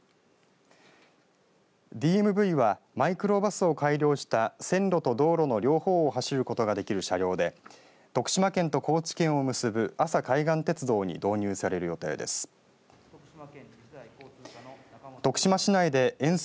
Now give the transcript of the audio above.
ＤＭＶはマイクロバスを改良した線路と道路の両方を走ることができる車両で徳島県と高知県を結ぶ阿佐海岸鉄道に導入される予定です。